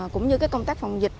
cũng như công tác phòng dịch